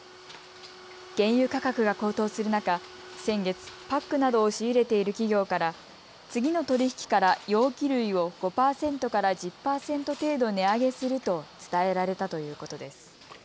原油価格が高騰する中、先月、パックなどを仕入れている企業から次の取り引きから容器類を５％から１０％程度値上げすると伝えられたということです。